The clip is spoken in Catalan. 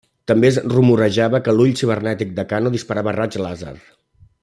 També es rumorejava que l'ull cibernètic de Kano disparava raigs làser.